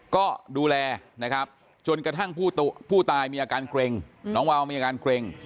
ก็ดูแลนะครับจนกระทั่งผู้ตายมีอาการเกร็งน้องวาวมีอาการเกร็ง